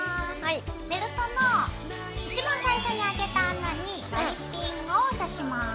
ベルトの一番最初にあけた穴に割りピンをさします。